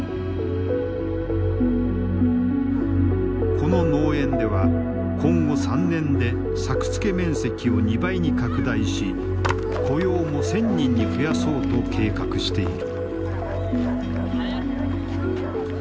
この農園では今後３年で作付面積を２倍に拡大し雇用も１，０００人に増やそうと計画している。